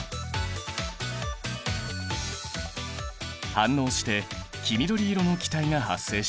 反応して黄緑色の気体が発生した。